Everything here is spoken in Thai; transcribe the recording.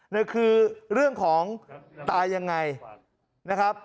นั่นคือเรื่องของตายยังไงนะครับ